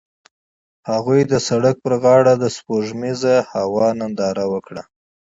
هغوی د سړک پر غاړه د سپوږمیز هوا ننداره وکړه.